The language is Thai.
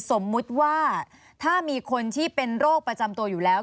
สมมุติว่าถ้ามีคนที่เป็นโรคประจำตัวอยู่แล้ว